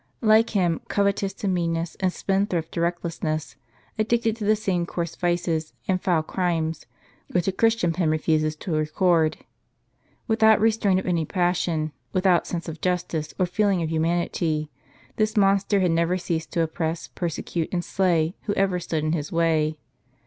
Like him, covetous to meanness, and spendthrift to reckless ness, addicted to the same coarse vices and foul crimes, which a Christian pen refuses to record, without restraint of any passion, without sense of justice, or feeling of humanity, this monster had never ceased to oppress, persecute, and slay who ever stood in his way.